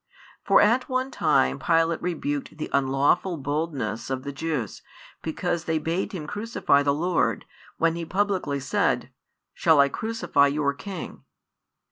For at one time Pilate rebuked the unlawful boldness of the Jews, because they bade him crucify the Lord, and when he publicly said: Shall I crucify your King?